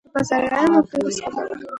Мы поздравляем Его Превосходительство.